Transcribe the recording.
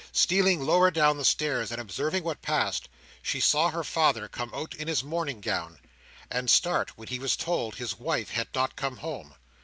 Stealing lower down the stairs, and observing what passed, she saw her father come out in his morning gown, and start when he was told his wife had not come home.